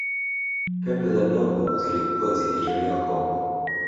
pembe za ndovu zilikuwa zikitolewa kongo